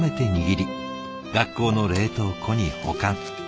学校の冷凍庫に保管。